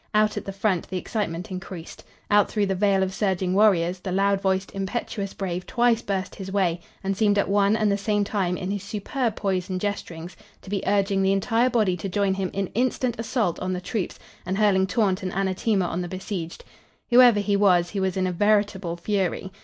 Out at the front the excitement increased. Out through the veil of surging warriors, the loud voiced, impetuous brave twice burst his way, and seemed at one and the same time, in his superb poise and gesturings, to be urging the entire body to join him in instant assault on the troops, and hurling taunt and anathema on the besieged. Whoever he was, he was in a veritable fury.